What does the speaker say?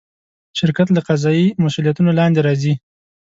شرکت له قضایي مسوولیتونو لاندې راځي.